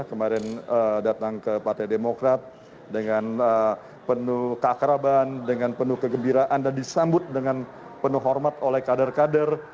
kemarin datang ke partai demokrat dengan penuh keakraban dengan penuh kegembiraan dan disambut dengan penuh hormat oleh kader kader